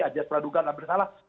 ajat peradugan dan bersalah